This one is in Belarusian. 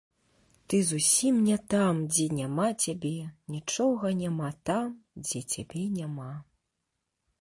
Ты зусім не там, дзе няма цябе нічога няма там, дзе цябе няма.